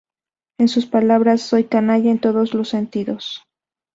En sus palabras: "Soy canalla en todos los sentidos".